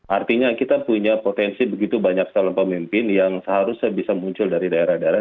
artinya kita punya potensi begitu banyak calon pemimpin yang seharusnya bisa muncul dari daerah daerah